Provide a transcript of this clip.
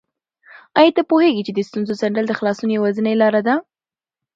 آیا ته پوهېږې چې د ستونزو څنډل د خلاصون یوازینۍ لاره ده؟